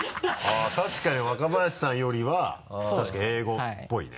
あっ確かに若林さんよりは確かに英語っぽいね。